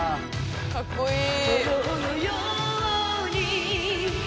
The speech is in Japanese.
かっこいい。